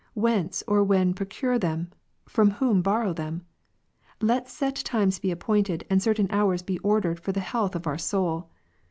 Whence, or when procure them ? from whom borrow them ? Let set times be appointed, and certain hours be ordered for the health of our soul.